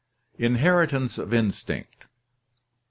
Inheritance of Instinct.